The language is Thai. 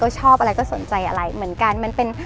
ก้อยชอบอะไรก็สนใจอะไรเหมือนกัน